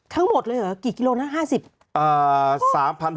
ทั้งหมดเลยเหรอกี่กิโลนะ๕๐บาท